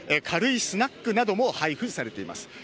軽いスナックなども配布されています。